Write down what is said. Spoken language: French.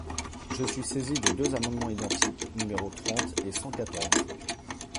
Je suis saisi de deux amendements identiques, numéros trente et cent quatorze.